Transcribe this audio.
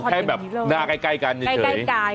แค่แบบหน้าใกล้กันเฉย